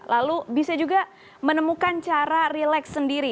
lalu bisa juga menemukan cara relax sendiri